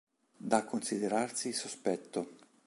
Da considerarsi sospetto.